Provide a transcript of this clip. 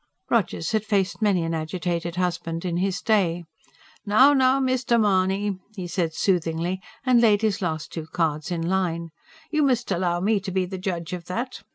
Rogers had faced many an agitated husband in his day. "Now, now, Mr. Mahony," he said soothingly, and laid his last two cards in line. "You must allow me to be the judge of that.